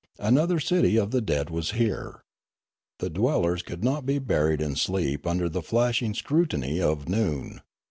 Another citj of the dead was here. The dwellers could not be buried in sleep under the flashing scrutiny of noon.